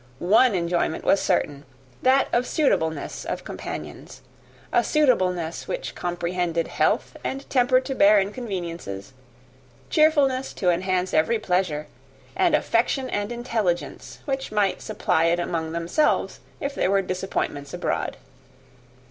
One enjoyment was certain that of suitableness as companions; a suitableness which comprehended health and temper to bear inconveniences cheerfulness to enhance every pleasure and affection and intelligence, which might supply it among themselves if there were disappointments abroad.